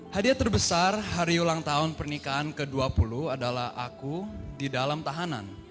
hadiah terbesar hari ulang tahun pernikahan ke dua puluh adalah aku di dalam tahanan